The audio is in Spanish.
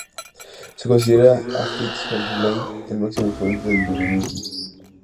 Se considera a Fitz Henry Lane el máximo exponente del luminismo.